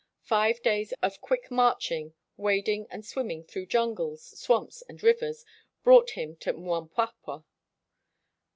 Five days of quick marching, wading and swimming through jungles, swamps, and rivers, brought him to Mpwapwa.